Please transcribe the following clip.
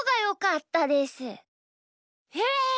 へえ！